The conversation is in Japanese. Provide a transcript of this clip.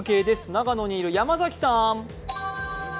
長野にいる山崎さん。